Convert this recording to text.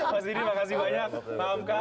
mas dini makasih banyak